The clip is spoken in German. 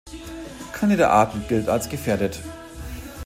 Keine der Arten gilt als gefährdet.